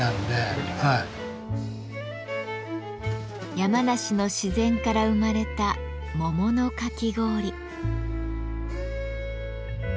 山梨の自然から生まれた桃のかき氷。